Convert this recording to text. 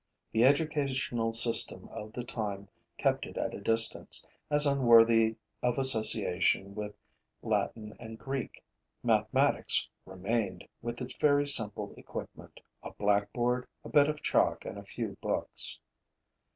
The educational system of the time kept it at a distance, as unworthy of association with Latin and Greek. Mathematics remained, with its very simple equipment: a blackboard, a bit of chalk and a few books.